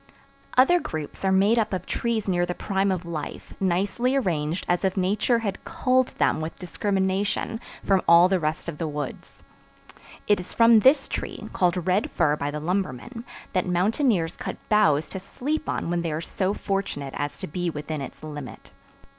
Other groups are made up of trees near the prime of life, nicely arranged as if Nature had culled them with discrimination from all the rest of the woods. It is from this tree, called Red Fir by the lumbermen, that mountaineers cut boughs to sleep on when they are so fortunate as to be within its limit.